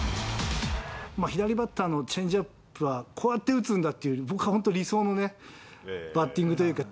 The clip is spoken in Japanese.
左バッターのチェンジアップは、こうやって打つんだって、僕には理想のね、バッティングというか。